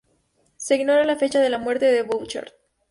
Se ignora la fecha de la muerte de Bouchard.